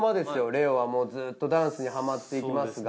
玲於はもうずっとダンスにハマっていきますが。